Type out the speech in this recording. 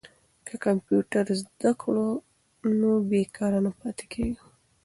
که کمپیوټر زده کړو نو بې کاره نه پاتې کیږو.